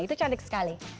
itu cantik sekali